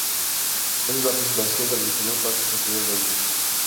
Esta es la presentación tradicional para su posterior venta.